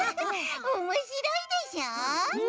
おもしろいでしょ！